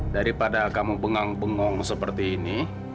daripada kamu bengang bengong seperti ini